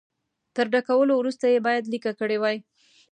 تر ډکولو وروسته یې باید لیکه کړي وای.